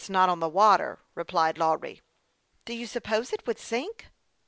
I'm sure it's not on the water," replied Lawry. " Do you suppose it would sink